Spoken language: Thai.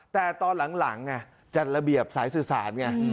แต่ตอนหลังจัดระเบียบสายสื่อสารไง